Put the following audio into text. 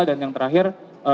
dan yang terakhir